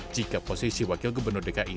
jika posisi wakil gubernur dki